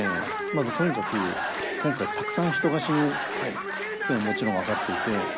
まずとにかく今回たくさん人が死ぬというのはもちろん分かっていて。